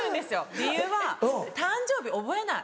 理由は誕生日覚えない。